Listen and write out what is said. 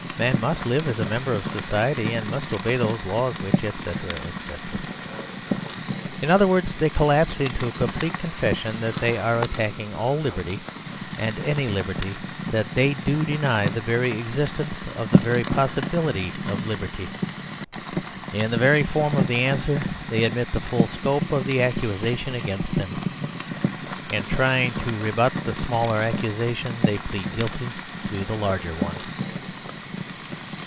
Man must live as a member of a society, and must obey those laws which, etc., etc." In other words, they collapse into a complete confession that they are attacking all liberty and any liberty; that they do deny the very existence or the very possibility of liberty. In the very form of the answer they admit the full scope of the accusation against them. In trying to rebut the smaller accusation, they plead guilty to the larger one.